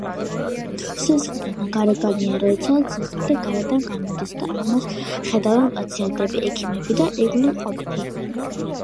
სისხლდენა გარეგანია როდესაც სისხლი გარეთ გამოდის და ამას ხედავენ პაციენტი, ექიმი და ირგვლივ მყოფნი.